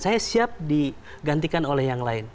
saya siap digantikan oleh yang lain